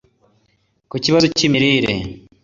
Ku kibazo cy’ imirire